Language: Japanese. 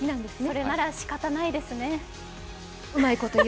それならシカたないですね。